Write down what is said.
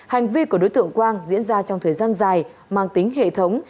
hành vi của đối tượng quang diễn ra trong thời gian dài mang tính hệ thống